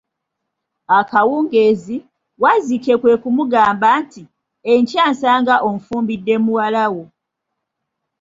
Akawungezi, wazzike kwe kumugamba nti, enkya nsaga onfumbidde muwala wo.